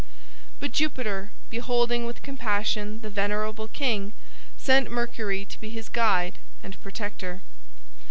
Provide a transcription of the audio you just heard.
But Jupiter, beholding with compassion the venerable king, sent Mercury to be his guide and protector.